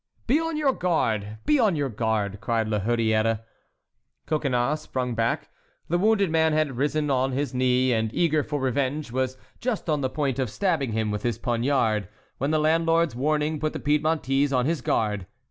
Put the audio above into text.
"Be on your guard!—be on your guard!" cried La Hurière. Coconnas sprung back. The wounded man had risen on his knee, and, eager for revenge, was just on the point of stabbing him with his poniard, when the landlord's warning put the Piedmontese on his guard.